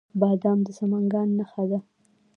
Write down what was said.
بادام د سمنګان نښه ده.